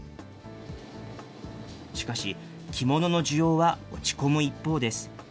しかし、着物の需要は落ち込む一方です。